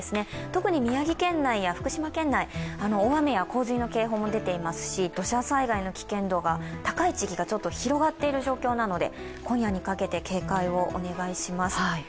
特に宮城県内や福島県内、大雨や洪水の警報も出ていますし、土砂災害の危険度が高い地域が広がっている状況なので、今夜にかけて警戒をお願いします。